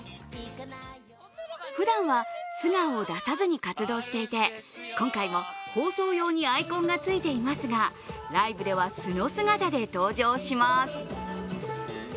ふだんは素顔を出さずに活動していて今回も放送用にアイコンがついていますがライブでは素の姿で登場します。